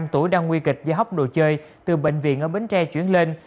năm tuổi đang nguy kịch do hóc đồ chơi từ bệnh viện ở bến tre chuyển lên